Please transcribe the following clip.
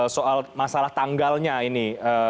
soal masalah tanggalnya ini